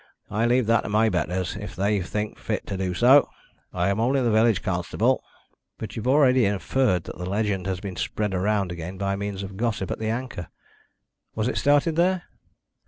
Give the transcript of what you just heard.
I leave that to my betters, if they think fit to do so. I am only the village constable." "But you've already inferred that the legend has been spread round again by means of gossip at the Anchor. Was it started there?"